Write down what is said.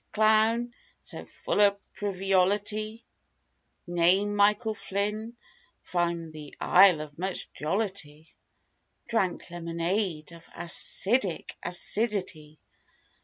clown, so full of frivolity— Name—Michael Flynn, from the Isle of much jollity. Drank lemonade of acidic acidity.